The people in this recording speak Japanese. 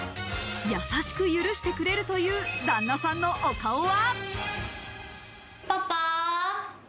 優しく許してくれるという旦那さんのお顔は。